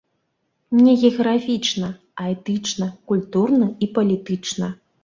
Не геаграфічна, а этычна, культурна і палітычна.